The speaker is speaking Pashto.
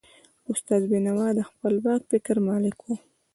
استاد بینوا د خپلواک فکر مالک و.